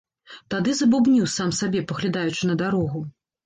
Тады забубніў сам сабе, паглядаючы на дарогу.